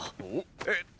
えっと